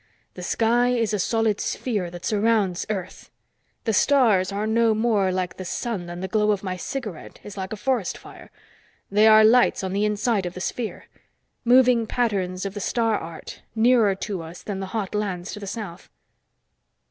The sky is a solid sphere that surrounds Earth. The stars are no more like the sun than the glow of my cigarette is like a forest fire. They are lights on the inside of the sphere, moving in patterns of the Star Art, nearer to us than the hot lands to the south."